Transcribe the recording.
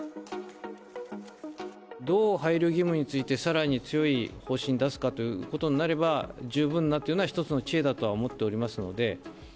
どう配慮義務について、さらに強い方針出すかということになれば、十分なというのは１つの知恵だとは思っておりますので。